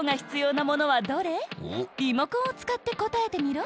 リモコンを使ってこたえてミロ！